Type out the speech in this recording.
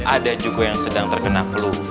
ada juga yang sedang terkena flu